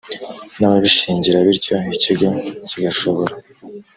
n ababishingira bityo ikigo kigashobora